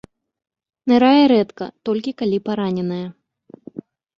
Нырае рэдка, толькі калі параненая.